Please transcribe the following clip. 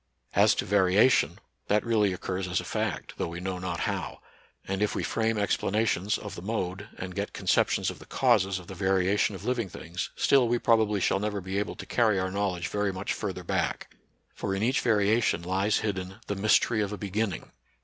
As to variation, that really occurs as a fact, though we know not how ; and, if we frame explanations of the mode and get conceptions of the causes of the variation of living things, still we proba bly shall never be able to carry our knowledge very much further back ; for in each variation lies hidden the mystery of a beginning.